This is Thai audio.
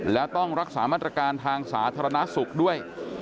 แล้วต้องรักษามาตรการทางสาธารณสุขด้วย